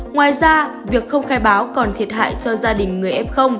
ngoài ra việc không khai báo còn thiệt hại cho gia đình người f